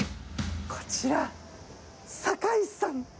こちら、酒井さん。